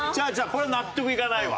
これ納得いかないわ。